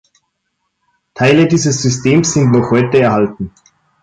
Teile dieses Systems sind noch heute erhalten.